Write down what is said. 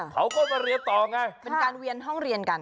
เขาก็มาเรียนต่อไงเป็นการเวียนห้องเรียนกัน